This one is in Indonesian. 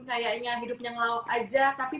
kayaknya hidupnya ngelawak aja tapi